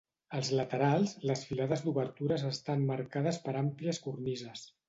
Als laterals les filades d'obertures estan marcades per àmplies cornises.